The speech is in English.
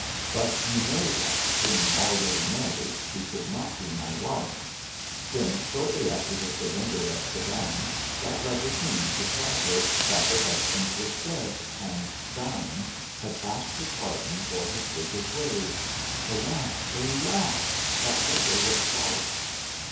But you know that, being already married, she could not be my wife. Then, shortly after the surrender of Sedan, that letter came to tell her that her husband was dead, and dying, had asked her pardon for his wicked ways. Alas! alas! that letter was false!'